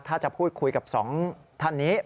ถ้าจะพูดคุยกับสองท่านนี้